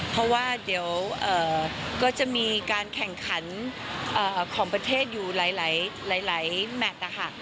เพราะว่าเดี๋ยวก็จะมีการแข่งขันของประเทศอยู่หลายแมทนะคะ